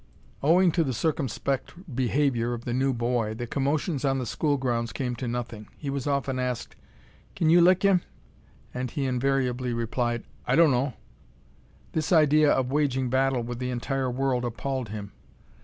Owing to the circumspect behavior of the new boy, the commotions on the school grounds came to nothing. He was often asked, "Kin you lick him?" And he invariably replied, "I dun'no'." This idea of waging battle with the entire world appalled him.